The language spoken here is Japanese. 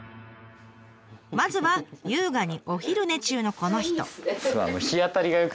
まずは優雅にお昼寝中のこの人。